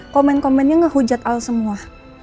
komen komennya menghujat semua